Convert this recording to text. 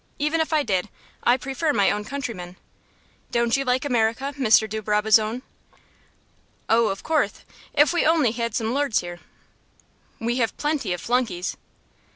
Even if I did, I prefer my own countrymen. Don't you like America, Mr. de Brabazon?" "Oh, of courth, if we only had some lords here." "We have plenty of flunkeys."